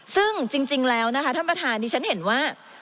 ซึ่งจริงแล้วนะคะท่านประธานที่ฉันเห็นว่า